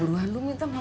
buruan lu minta ma